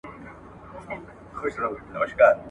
يو ځل ځان لره بوډۍ كړوپه پر ملا سه